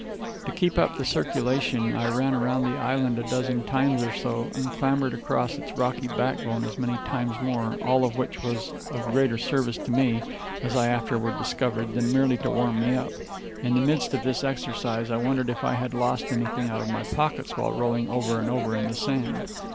To keep up the circulation, I ran around the island a dozen times or so, and clambered across its rocky backbone as many times more all of which was of greater service to me, as I afterward discovered, than merely to warm me up. In the midst of this exercise I wondered if I had lost anything out of my pockets while rolling over and over in the sand.